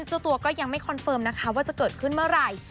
เจ้าตัวก็ยังไม่คอนเฟิร์มนะคะว่าจะเกิดขึ้นเมื่อไหร่